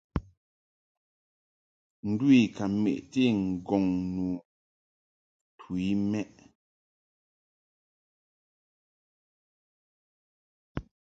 Ndu I ka meʼti ŋgɔŋ nu tu i mɛʼ.